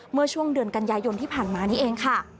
เมื่อช่วงเดือนกันยายนที่ผ่านมานี้เองค่ะ